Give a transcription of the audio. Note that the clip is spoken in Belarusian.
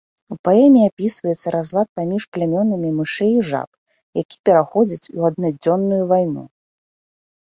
У паэме апісваецца разлад паміж плямёнамі мышэй і жаб, які пераходзіць у аднадзённую вайну.